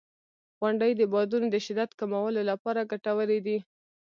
• غونډۍ د بادونو د شدت کمولو لپاره ګټورې دي.